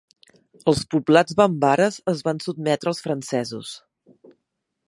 Els poblats bambares es van sotmetre als francesos.